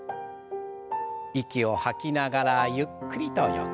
息を吐きながらゆっくりと横の方へ。